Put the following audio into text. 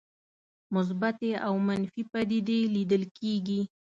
مثبتې او منفي پدیدې لیدل کېږي.